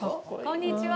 こんにちは。